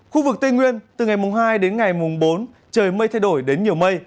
khu vực tây nguyên từ ngày mùng hai đến ngày mùng bốn trời mây thay đổi đến nhiều mây